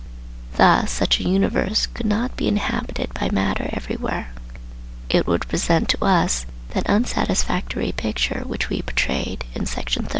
Thus such a universe could not be inhabited by matter everywhere ; it would present to us that unsatisfactory picture which we portrayed in Section 30.